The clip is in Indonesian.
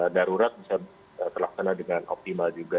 darurat bisa terlaksana dengan optimal juga